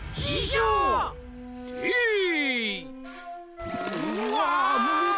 うわ！